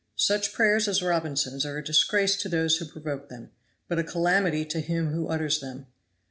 Such prayers as Robinson's are a disgrace to those who provoke them, but a calamity to him who utters them.